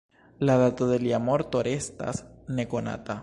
La dato de lia morto restas nekonata.